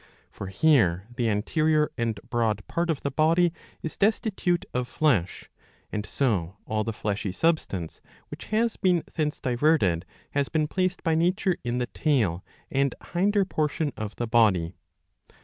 For here the anterior and broad part of the body is destitute of flesh, and so all the fleshy substance which has been thence diverted has been placed by nature in the tail and hinder portion of the body.